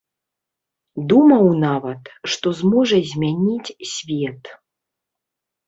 Думаў нават, што зможа змяніць свет.